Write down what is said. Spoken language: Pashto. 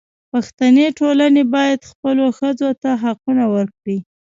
پښتني ټولنه باید خپلو ښځو ته حقونه ورکړي.